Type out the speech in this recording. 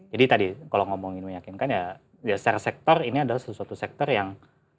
jadi tadi kalau ngomongin meyakinkan ya share sektor ini adalah sebuah sektor yang